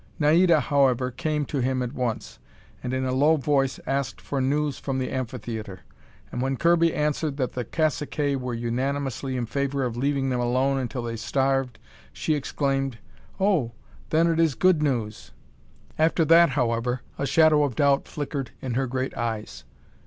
Naida, however, came to him at once, and in a low voice asked for news from the amphitheatre, and when Kirby answered that the caciques were unanimously in favor of leaving them alone until they starved, she exclaimed: "Oh, then it is good news!" After that, however, a shadow of doubt flickered in her great eyes.